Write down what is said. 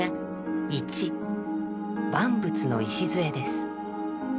万物の礎です。